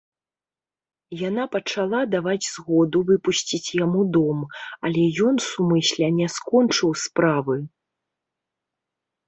Яна пачала даваць згоду выпусціць яму дом, але ён сумысля не скончыў справы.